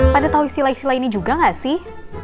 pada tahu istilah istilah ini juga gak sih